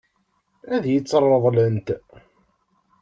Ad iyi-tt-ṛeḍlent?